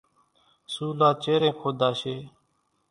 سُولا چيرين کوۮاشيَ۔